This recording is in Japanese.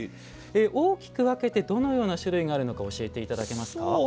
大きく分けてどのような種類があるのか教えていただけますか？